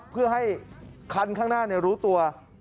เพื่อให้คันข้างหน้ารู้ตัว